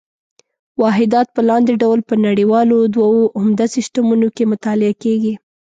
واحدات په لاندې ډول په نړیوالو دوو عمده سیسټمونو کې مطالعه کېږي.